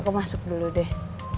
aku masuk dulu deh